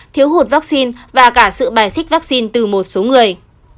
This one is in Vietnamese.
thiếu hụt vaccine và cả sự bài xích vaccine từ một số người